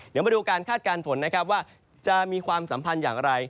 เดี๋ยวมาดูการคาดการณ์ฝนนะครับว่าจะมีความสัมพันธ์อย่างไร